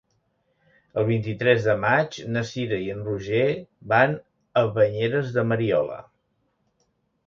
El vint-i-tres de maig na Cira i en Roger van a Banyeres de Mariola.